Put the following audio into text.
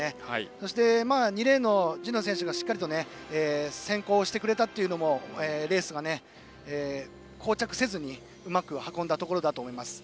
そして、２レーンの神野選手がしっかり先行してくれたというのもレースが、こう着せずにうまく運んだところだと思います。